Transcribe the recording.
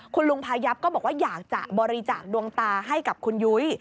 คุณลุงพายับก็บอกว่าอยากจะบริจาคดวงตาให้กับคุณยุ้ย